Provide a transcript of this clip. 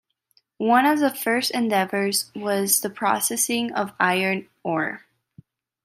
One of the first endeavors was the processing of iron ore.